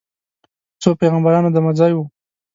د څو پیغمبرانو دمه ځای و.